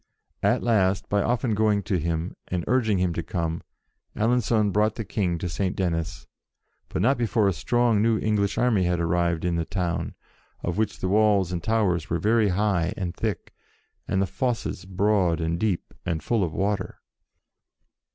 At last, by often going to him, and urging him to come, Alencon brought the King to Saint Denis, but not before a strong new English army had arrived in the town, of which the walls and towers were very high and thick, and the fosses broad and deep, and full of water.